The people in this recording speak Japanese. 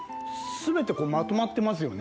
全てまとまってますよね。